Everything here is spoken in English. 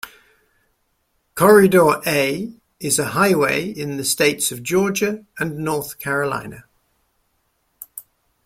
Corridor A is a highway in the states of Georgia and North Carolina.